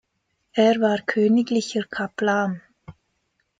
Er war königlicher Kaplan.